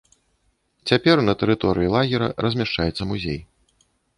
Цяпер на тэрыторыі лагера размяшчаецца музей.